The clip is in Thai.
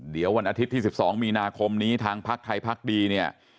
เดี๋ยววันอาทิตย์ที่๑๒มีนาคมนี้ทางพักไทยพักดีเนี่ย